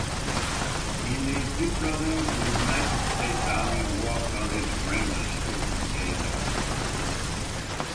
Il est diplômé de l'United States Army War College, Ranger School et l'.